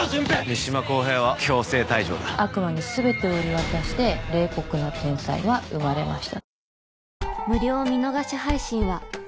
三島公平は強制退場だ悪魔に全てを売り渡して冷酷な天才は生まれました